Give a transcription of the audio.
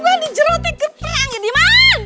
bukan di jerotik keperang ya diman